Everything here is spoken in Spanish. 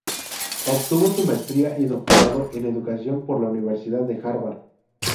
Obtuvo su maestría y doctorado en educación, por la Universidad de Harvard.